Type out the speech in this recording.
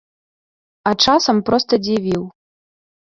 А часам проста дзівіў.